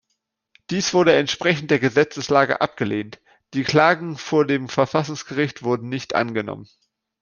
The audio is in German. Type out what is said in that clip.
Dies wurde entsprechend der Gesetzeslage abgelehnt, die Klagen vor dem Verfassungsgericht wurden nicht angenommen.